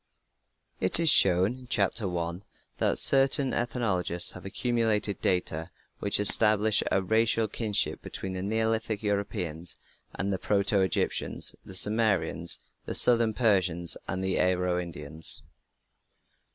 It is shown (Chapter 1) that certain ethnologists have accumulated data which establish a racial kinship between the Neolithic Europeans, the proto Egyptians, the Sumerians, the southern Persians, and the Aryo Indians.